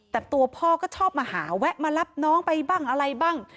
แต่ตัวพ่อก็ชอบมาหาแวะมารับน้องไปบ้างอะไรบ้าง